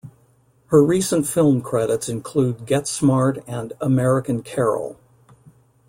Her recent film credits include "Get Smart" and "American Carol".